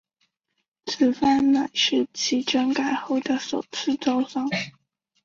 此番乃是其整改后的首次招商。